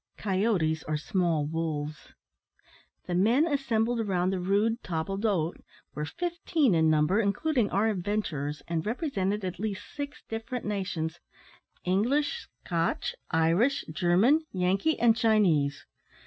(Coyotes are small wolves.) The men assembled round the rude table d'hote were fifteen in number, including our adventurers, and represented at least six different nations English, Scotch, Irish, German, Yankee, and Chinese.